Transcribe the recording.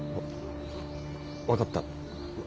分かった。